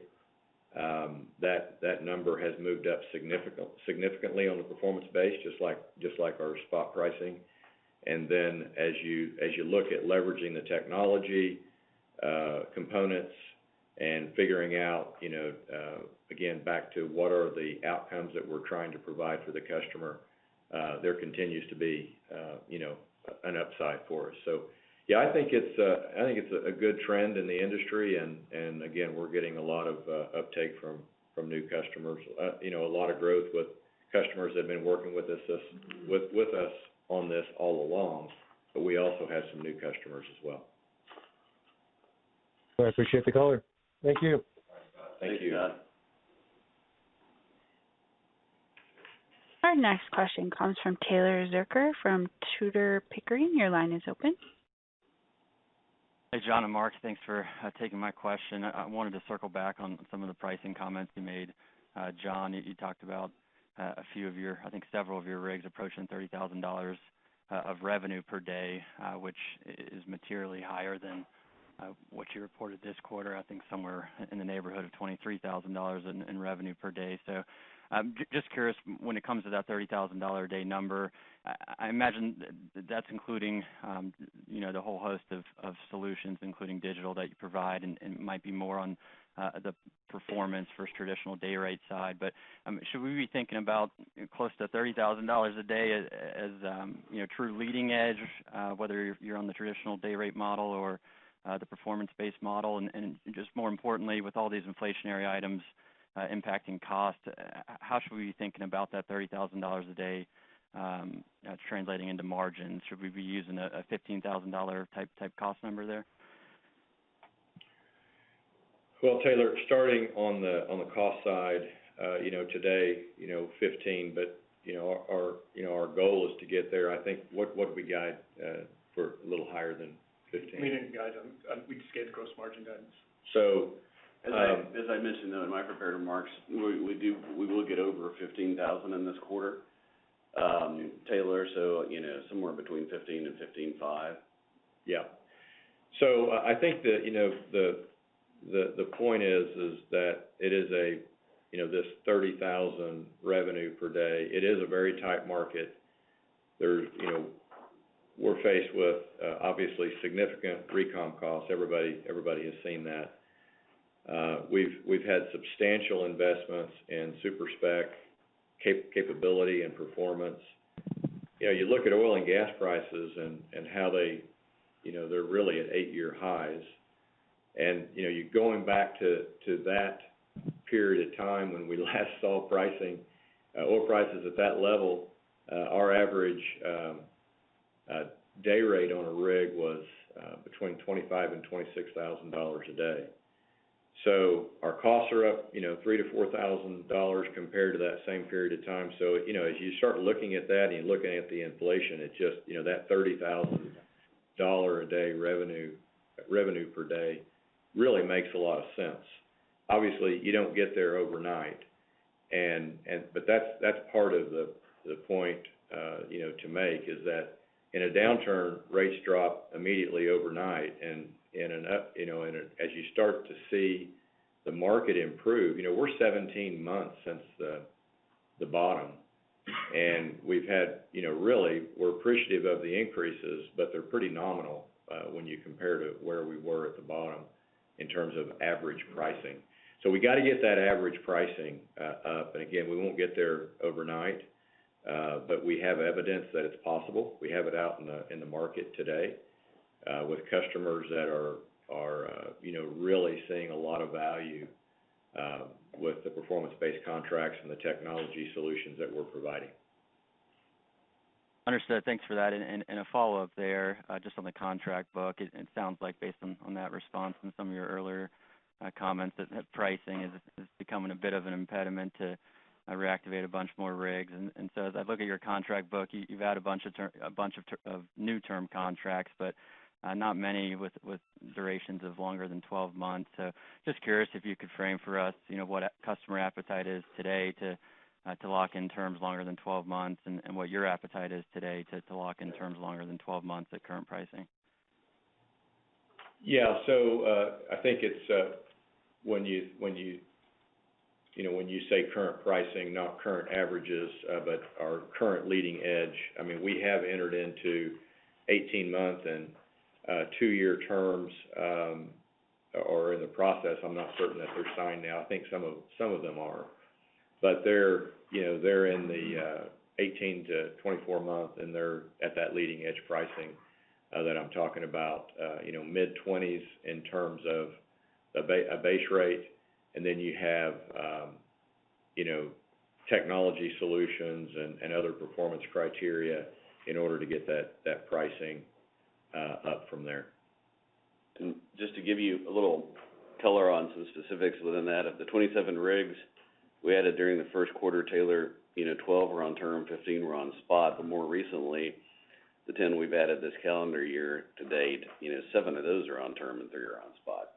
that number has moved up significantly on the performance base, just like our spot pricing. Then as you look at leveraging the technology components and figuring out, you know, again, back to what are the outcomes that we're trying to provide for the customer, there continues to be, you know, an upside for us. Yeah, I think it's a good trend in the industry. Again, we're getting a lot of uptake from new customers. You know, a lot of growth with customers that have been working with us on this all along, but we also have some new customers as well. Well, I appreciate the color. Thank you. All right, Scott. Thank you. Thank you. Our next question comes from Taylor Zurcher from Tudor, Pickering. Your line is open. Hey, John and Mark. Thanks for taking my question. I wanted to circle back on some of the pricing comments you made. John, you talked about a few of your, I think several of your rigs approaching $30,000 of revenue per day, which is materially higher than what you reported this quarter, I think somewhere in the neighborhood of $23,000 in revenue per day. Just curious, when it comes to that $30,000 a day number, I imagine that's including, you know, the whole host of solutions, including digital that you provide and might be more on the performance versus traditional day rate side. Should we be thinking about close to $30,000 a day as you know true leading edge whether you're on the traditional day rate model or the performance-based model? Just more importantly with all these inflationary items impacting cost how should we be thinking about that $30,000 a day translating into margins? Should we be using a $15,000-dollar type cost number there? Well, Taylor, starting on the cost side, you know, today, you know, $15, but, you know, our goal is to get there. I think what did we guide for a little higher than $15? We didn't guide on. We just gave the gross margin guidance. So, um- As I mentioned though in my prepared remarks, we will get over $15,000 in this quarter, Taylor. You know, somewhere between $15,000 and $15,500. Yeah. I think you know, the point is that it is you know, this $30,000 revenue per day, it is a very tight market. There you know, we're faced with obviously significant pre-com costs. Everybody has seen that. We've had substantial investments in super-spec capability and performance. You know, you look at oil and gas prices and how they you know, they're really at eight-year highs. You know, you're going back to that period of time when we last saw pricing oil prices at that level, our average day rate on a rig was between $25,000 and $26,000 a day. Our costs are up you know, $3,000-$4,000 compared to that same period of time. You know, as you start looking at that and you're looking at the inflation, it just, you know, that $30,000 a day revenue per day really makes a lot of sense. Obviously, you don't get there overnight and but that's part of the point, you know, to make, is that in a downturn, rates drop immediately overnight. In an up, you know, and as you start to see the market improve, you know, we're 17 months since the bottom, and we've had, you know, really, we're appreciative of the increases, but they're pretty nominal, when you compare to where we were at the bottom in terms of average pricing. We got to get that average pricing up. Again, we won't get there overnight, but we have evidence that it's possible. We have it out in the market today, with customers that are, you know, really seeing a lot of value with the performance-based contracts and the technology solutions that we're providing. Understood. Thanks for that. A follow-up there, just on the contract book. It sounds like based on that response and some of your earlier comments that pricing is becoming a bit of an impediment to reactivate a bunch more rigs. As I look at your contract book, you've had a bunch of new term contracts, but not many with durations of longer than 12 months. Just curious if you could frame for us, you know, what customer appetite is today to lock in terms longer than 12 months, and what your appetite is today to lock in terms longer than 12 months at current pricing. Yeah. I think it's when you say current pricing, not current averages, but our current leading edge. I mean, we have entered into 18-month and 2-year terms or in the process. I'm not certain that they're signed now. I think some of them are. They're in the 18- to 24-month, and they're at that leading edge pricing that I'm talking about, you know, mid-$20s in terms of a base rate. You have technology solutions and other performance criteria in order to get that pricing up from there. Just to give you a little color on some specifics within that, of the 27 rigs we added during the Q1, Taylor, you know, 12 were on term, 15 were on spot. More recently, the 10 we've added this calendar year to date, you know, seven of those are on term and three are on spot.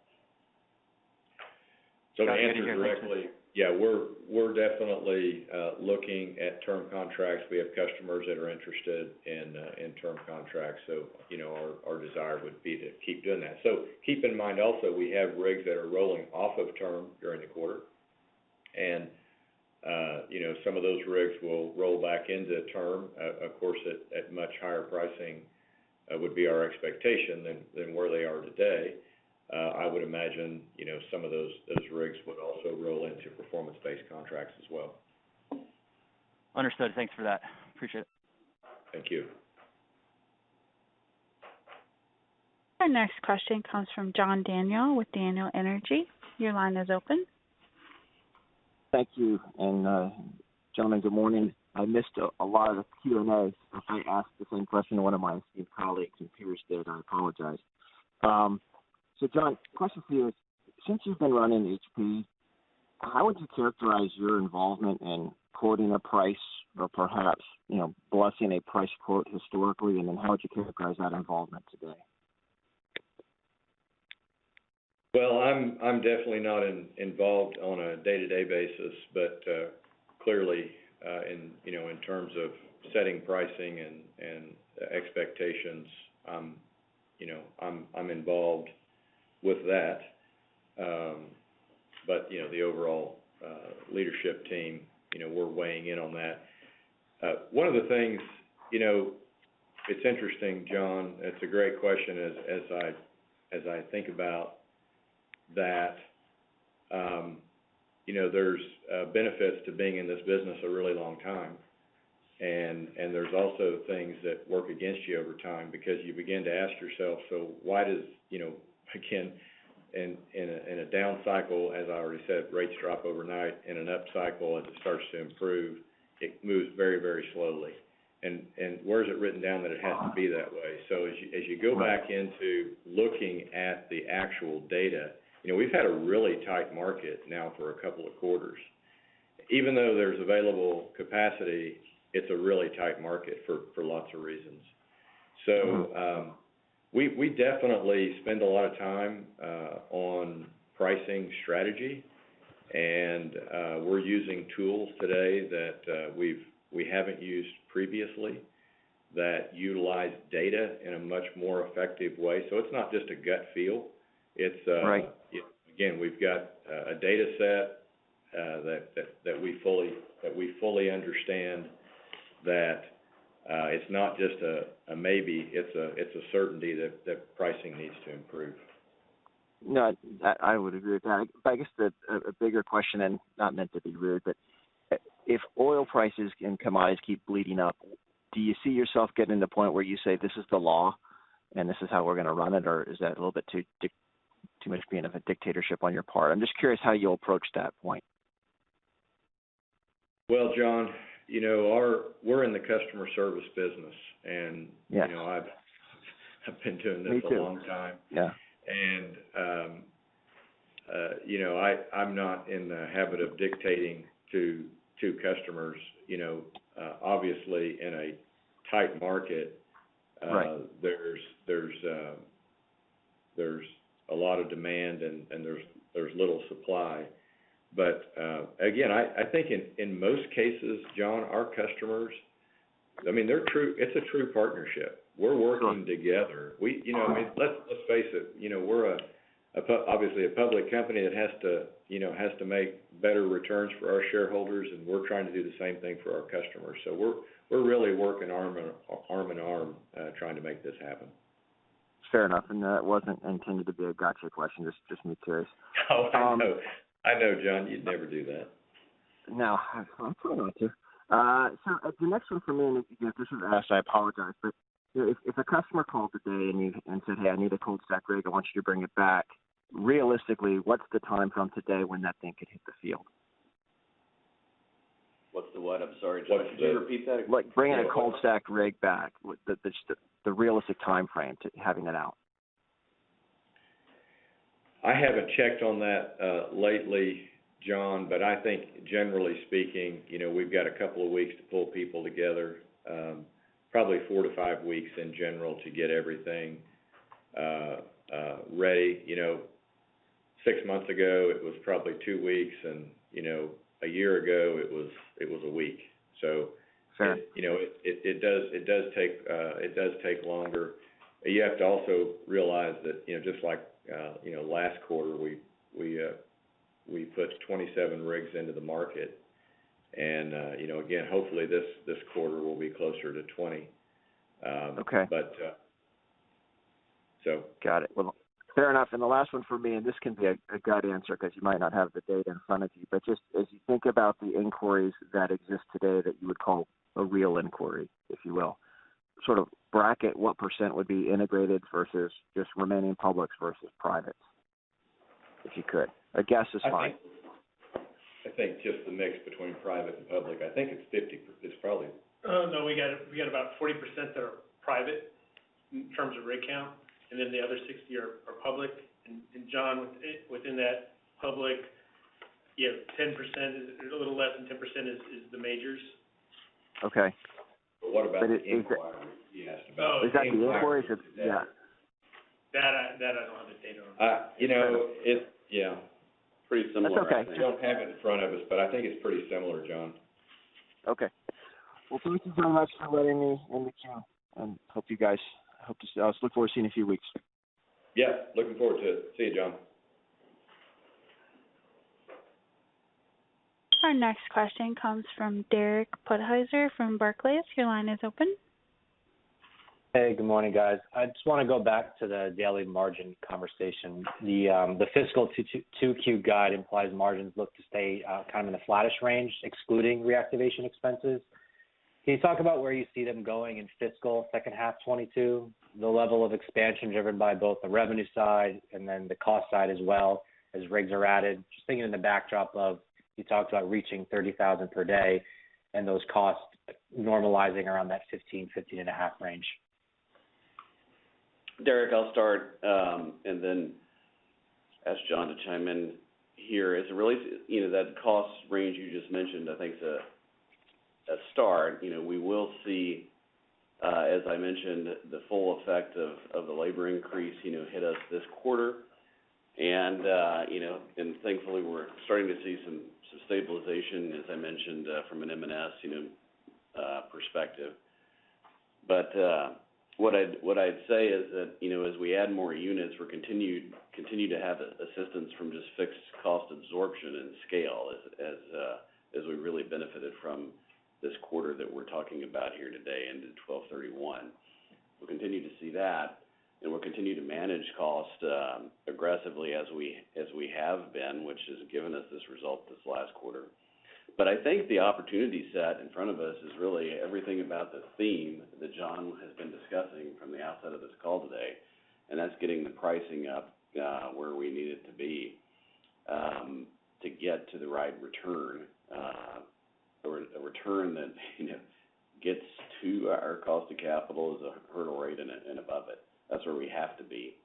To answer directly. Yeah, we're definitely looking at term contracts. We have customers that are interested in term contracts. You know, our desire would be to keep doing that. Keep in mind also, we have rigs that are rolling off of term during the quarter. You know, some of those rigs will roll back into term, of course, at much higher pricing would be our expectation than where they are today. I would imagine, you know, some of those rigs would also roll into performance-based contracts as well. Understood. Thanks for that. Appreciate it. Thank you. Our next question comes from John Daniel with Daniel Energy. Your line is open. Thank you. Gentlemen, good morning. I missed a lot of the Q&As. If I ask the same question one of my colleagues and peers did, I apologize. John, question for you. Since you've been running H&P, how would you characterize your involvement in quoting a price or perhaps, you know, blessing a price quote historically, and then how would you characterize that involvement today? Well, I'm definitely not involved on a day-to-day basis, but clearly, you know, in terms of setting pricing and expectations, you know, I'm involved with that. You know, the overall leadership team, you know, we're weighing in on that. One of the things, you know, it's interesting, John. It's a great question as I think about that, you know. There's benefits to being in this business a really long time. There's also things that work against you over time because you begin to ask yourself, "So why does," you know, again, in a down cycle, as I already said, rates drop overnight. In an upcycle, as it starts to improve, it moves very, very slowly. Where is it written down that it has to be that way? As you go back into looking at the actual data, you know, we've had a really tight market now for a couple of quarters. Even though there's available capacity, it's a really tight market for lots of reasons. Mm-hmm. We definitely spend a lot of time on pricing strategy. We're using tools today that we haven't used previously that utilize data in a much more effective way. It's not just a gut feel. It's Right. Again, we've got a data set that we fully understand that it's not just a maybe, it's a certainty that pricing needs to improve. No, I would agree with that. I guess a bigger question, and not meant to be rude, but if oil prices and commodities keep bleeding up, do you see yourself getting to the point where you say, "This is the law, and this is how we're gonna run it?" Or is that a little bit too much of a dictatorship on your part? I'm just curious how you'll approach that point. Well, John, you know, we're in the customer service business, and Yes. You know, I've been doing this a long time. Me too. Yeah. You know, I'm not in the habit of dictating to customers. You know, obviously, in a tight market- Right There's a lot of demand and there's little supply. Again, I think in most cases, John, our customers, I mean, it's a true partnership. We're working together. You know, I mean, let's face it, you know, we're obviously a public company that has to make better returns for our shareholders, and we're trying to do the same thing for our customers. We're really working arm in arm, trying to make this happen. Fair enough. That wasn't intended to be a gotcha question, just me curious. Oh, I know. I know, John, you'd never do that. No, I try not to. The next one for me, and if you got this one asked, I apologize. If a customer called today and said, "Hey, I need a cold stack rig. I want you to bring it back." Realistically, what's the time from today when that thing could hit the field? What's the what? I'm sorry. What's the- Could you repeat that again? Like, bringing a cold stack rig back. The realistic timeframe to having that out. I haven't checked on that lately, John, but I think generally speaking, you know, we've got a couple of weeks to pull people together, probably four-five weeks in general to get everything ready. Six months ago, it was probably two weeks, and, you know, a year ago, it was a week. Okay... you know, it does take longer. You have to also realize that, you know, just like, you know, last quarter, we put 27 rigs into the market, and, you know, again, hopefully this quarter will be closer to 20. Okay... but, uh... So. Got it. Well, fair enough. The last one for me, and this can be a gut answer 'cause you might not have the data in front of you. Just as you think about the inquiries that exist today that you would call a real inquiry, if you will, sort of bracket what % would be integrated versus just remaining public versus private, if you could. A guess is fine. I think just the mix between private and public. I think it's 50. No, we got about 40% that are private in terms of rig count, and then the other 60% are public. John, within that public, you have 10%. A little less than 10% is the majors. Okay. What about the inquiries he asked about? Is that the inquiries or just? Yeah. That I don't have the data on. You know, it's yeah. Pretty similar. That's okay. We don't have it in front of us, but I think it's pretty similar, John. Okay. Well, thank you so much for letting me in the queue. I hope you guys look forward to seeing us in a few weeks. Yeah, looking forward to it. See you, John. Our next question comes from Derek Podhaizer from Barclays. Your line is open. Hey, good morning, guys. I just wanna go back to the daily margin conversation. The fiscal 2022 2Q guide implies margins look to stay kind of in a flattish range, excluding reactivation expenses. Can you talk about where you see them going in fiscal second half 2022, the level of expansion driven by both the revenue side and then the cost side as well as rigs are added? Just thinking in the backdrop of, you talked about reaching $30,000 per day and those costs normalizing around that $15-$15.5 range. Derek, I'll start and then ask John to chime in here. As it relates, you know, that cost range you just mentioned, I think is a start. You know, we will see, as I mentioned, the full effect of the labor increase, you know, hit us this quarter. You know, and thankfully, we're starting to see some stabilization, as I mentioned, from an M&S, you know, perspective. But what I'd say is that, you know, as we add more units, we continue to have assistance from just fixed cost absorption and scale as we really benefited from this quarter that we're talking about here today into 12/31. We'll continue to see that, and we'll continue to manage costs aggressively as we have been, which has given us this result this last quarter. I think the opportunity set in front of us is really everything about the theme that John has been discussing from the outset of this call today, and that's getting the pricing up where we need it to be to get to the right return or a return that, you know, gets to our cost of capital as a hurdle rate and above it. That's where we have to be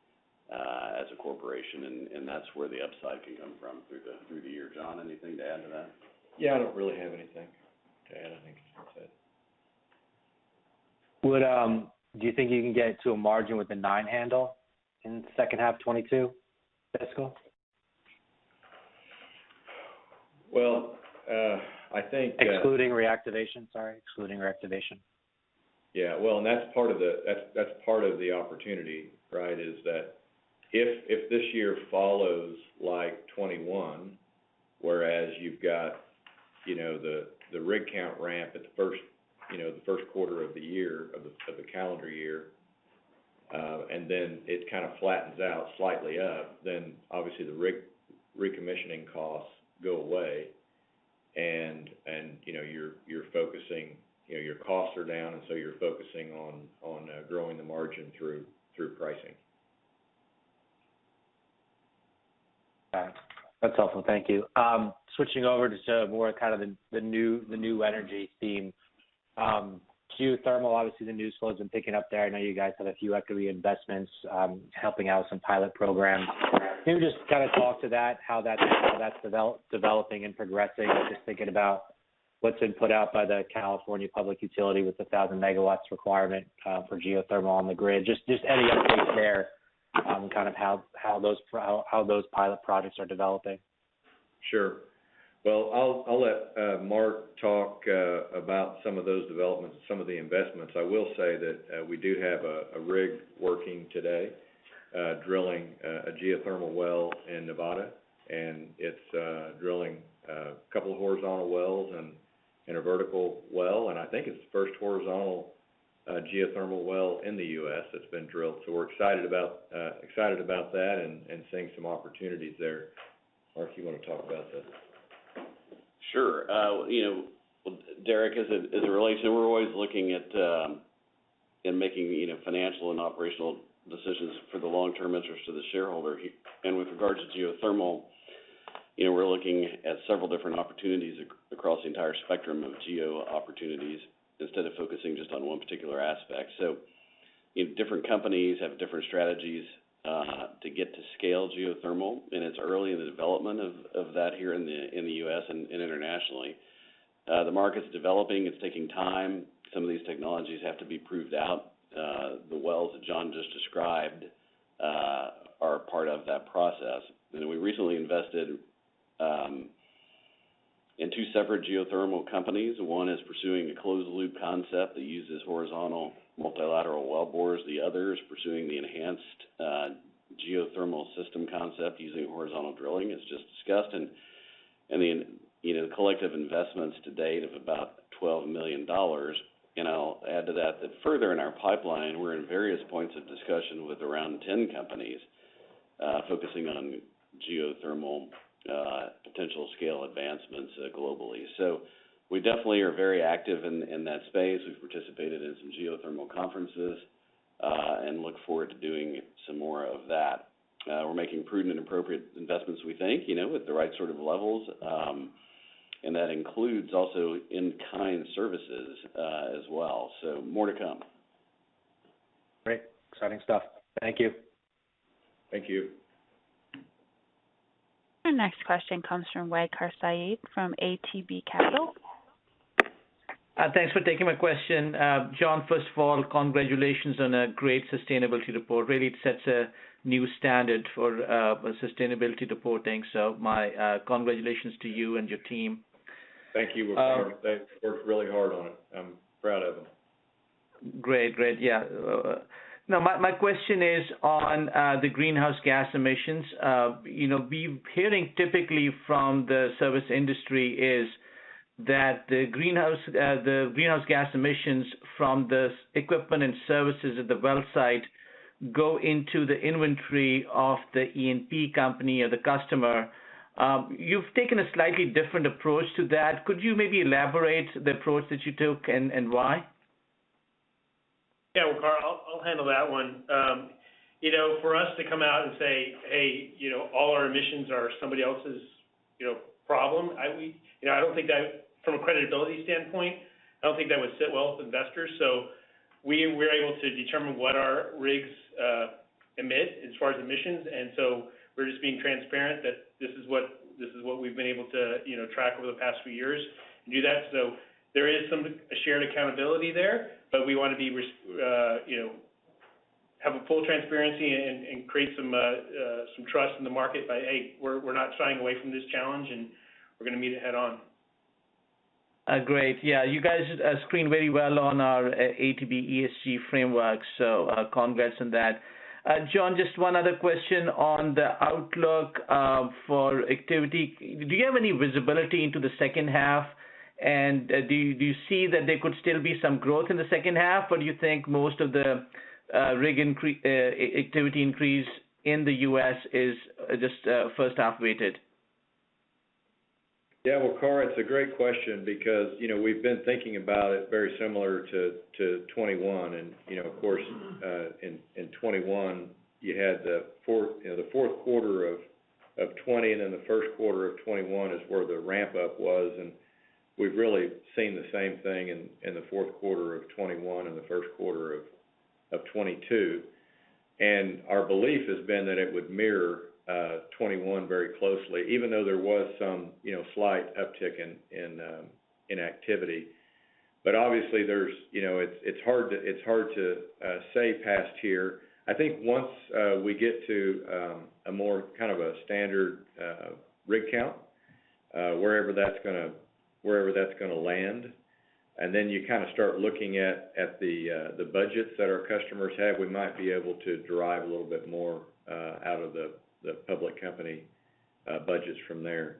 as a corporation, and that's where the upside can come from through the year. John, anything to add to that? Yeah, I don't really have anything to add. I think it's all said. Do you think you can get to a margin with a nine handle in second half 2022 fiscal? Well, I think Excluding reactivation. Sorry. Excluding reactivation. Yeah. Well, that's part of the opportunity, right? That is if this year follows like 2021, whereas you've got, you know, the rig count ramp at the first, you know, the Q1 of the year, of the calendar year, and then it kind of flattens out slightly up, then obviously the rig recommissioning costs go away and, you know, you're focusing. You know, your costs are down, and so you're focusing on growing the margin through pricing. Got it. That's helpful. Thank you. Switching over to more kind of the new energy theme. Geothermal, obviously the news flow has been picking up there. I know you guys had a few equity investments, helping out with some pilot programs. Can you just kind of talk to that, how that's developing and progressing? I'm just thinking about what's been put out by the California Public Utilities Commission with a 1,000 MW requirement for geothermal on the grid. Just any updates there on kind of how those pilot projects are developing. Sure. Well, I'll let Mark talk about some of those developments and some of the investments. I will say that we do have a rig working today drilling a geothermal well in Nevada, and it's drilling a couple of horizontal wells and a vertical well, and I think it's the first horizontal geothermal well in the U.S. that's been drilled. We're excited about that and seeing some opportunities there. Mark, you wanna talk about this? Sure. You know, Derek, as it relates, we're always looking at and making, you know, financial and operational decisions for the long-term interest of the shareholder. With regards to geothermal, you know, we're looking at several different opportunities across the entire spectrum of geo opportunities instead of focusing just on one particular aspect. You know, different companies have different strategies to get to scale geothermal, and it's early in the development of that here in the U.S. and internationally. The market's developing, it's taking time. Some of these technologies have to be proved out. The wells that John just described are part of that process. We recently invested in two separate geothermal companies. One is pursuing a closed-loop concept that uses horizontal multilateral wellbores. The other is pursuing the enhanced geothermal system concept using horizontal drilling as just discussed. I mean, you know, the collective investments to date of about $12 million. I'll add to that further in our pipeline, we're in various points of discussion with around 10 companies focusing on geothermal potential scale advancements globally. We definitely are very active in that space. We've participated in some geothermal conferences and look forward to doing some more of that. We're making prudent and appropriate investments, we think, you know, at the right sort of levels. That includes also in-kind services, as well. More to come. Great. Exciting stuff. Thank you. Thank you. Our next question comes from Waqar Syed from ATB Capital. Thanks for taking my question. John, first of all, congratulations on a great sustainability report. Really, it sets a new standard for sustainability reporting. My congratulations to you and your team. Thank you, Waqar. They worked really hard on it. I'm proud of them. Great. Yeah. Now my question is on the greenhouse gas emissions. You know, we're hearing typically from the service industry is that the greenhouse gas emissions from this equipment and services at the well site go into the inventory of the E&P company or the customer. You've taken a slightly different approach to that. Could you maybe elaborate the approach that you took and why? Yeah. Waqar, I'll handle that one. You know, for us to come out and say, "Hey, you know, all our emissions are somebody else's, you know, problem." You know, I don't think that from a credibility standpoint, I don't think that would sit well with investors. We're able to determine what our rigs emit as far as emissions. We're just being transparent that this is what we've been able to, you know, track over the past few years and do that. There is a shared accountability there. We wanna be responsible, you know, have a full transparency and create some trust in the market by, hey, we're not shying away from this challenge, and we're gonna meet it head on. Great. Yeah, you guys screen very well on our ATB ESG framework, so congrats on that. John, just one other question on the outlook for activity. Do you have any visibility into the second half? Do you see that there could still be some growth in the second half? Or do you think most of the activity increase in the U.S. is just first half weighted? Yeah. Well, Waqar, it's a great question because, you know, we've been thinking about it very similar to 2021. You know, of course, in 2021, you had the Q4 of 2020, and then the Q1 of 2021 is where the ramp up was. We've really seen the same thing in the Q4 of 2021 and the Q1 of 2022. Our belief has been that it would mirror 2021 very closely, even though there was some, you know, slight uptick in activity. Obviously, you know, it's hard to say past here. I think once we get to a more kind of a standard rig count, wherever that's gonna land, and then you kinda start looking at the budgets that our customers have, we might be able to derive a little bit more out of the public company budgets from there.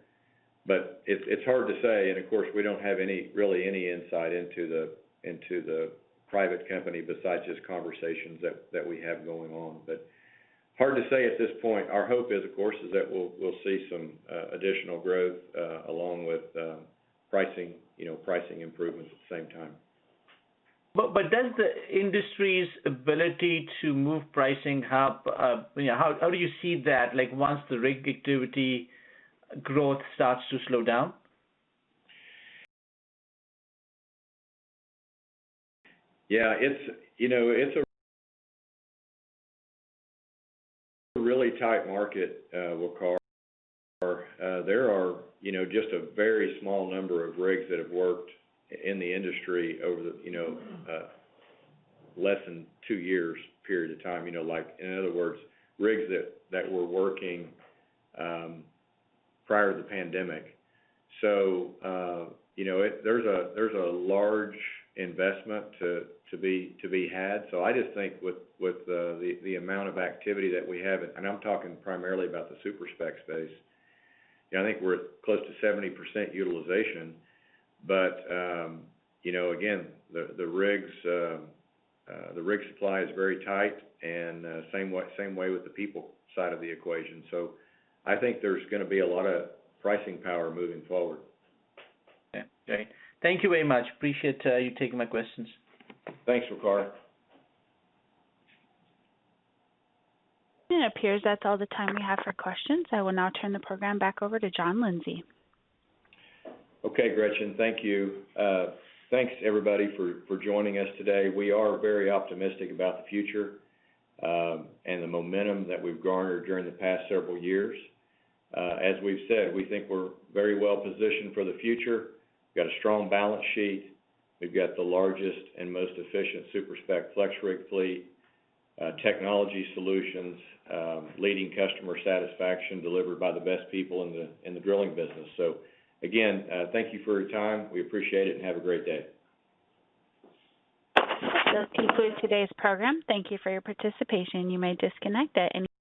But it's hard to say, and of course, we don't have really any insight into the private company besides just conversations that we have going on. But hard to say at this point. Our hope is, of course, that we'll see some additional growth along with pricing, you know, pricing improvements at the same time. Does the industry's ability to move pricing up, you know, how do you see that, like, once the rig activity growth starts to slow down? Yeah. It's, you know, it's a really tight market, Waqar. There are, you know, just a very small number of rigs that have worked in the industry over the, you know, less than two years period of time. You know, like, in other words, rigs that were working prior to the pandemic. You know, there's a large investment to be had. I just think with the amount of activity that we have, and I'm talking primarily about the super-spec space, you know, I think we're close to 70% utilization. You know, again, the rigs, the rig supply is very tight and, same way with the people side of the equation. I think there's gonna be a lot of pricing power moving forward. Yeah. Okay. Thank you very much. Appreciate you taking my questions. Thanks, Waqar. It appears that's all the time we have for questions. I will now turn the program back over to John Lindsay. Okay, Gretchen, thank you. Thanks everybody for joining us today. We are very optimistic about the future, and the momentum that we've garnered during the past several years. As we've said, we think we're very well positioned for the future. We've got a strong balance sheet. We've got the largest and most efficient super-spec FlexRig fleet, technology solutions, leading customer satisfaction delivered by the best people in the drilling business. Again, thank you for your time. We appreciate it, and have a great day. This concludes today's program. Thank you for your participation. You may disconnect at any time.